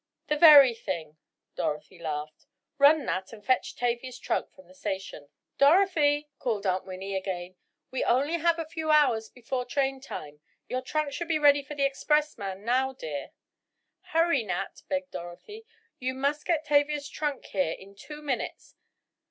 "The very thing!" Dorothy laughed. "Run, Nat, and fetch Tavia's trunk from the station." "Dorothy," called Aunt Winnie again, "we only have a few hours before train time. Your trunk should be ready for the expressman now, dear." "Hurry, Nat," begged Dorothy, "you must get Tavia's trunk here in two minutes.